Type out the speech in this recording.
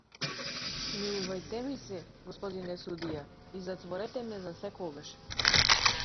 Смилувајте ми се, господине судија, и затворете ме засекогаш!